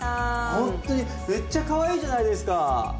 ほんっとにめっちゃかわいいじゃないですか！